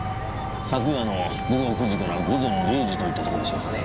昨夜の午後９時から午前０時といったとこでしょうかね。